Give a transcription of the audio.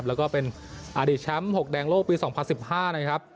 แล้วก็เป็นอดีตแชมป์๖แดงโลกปี๒๐๑๕นะครับ